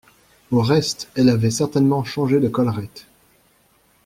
Au reste, elle avait certainement changé de collerette.